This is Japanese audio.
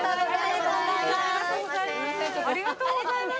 ありがとうございます。